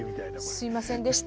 すいませんでした。